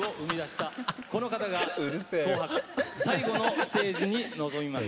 この方が「紅白」最後のステージに臨みます。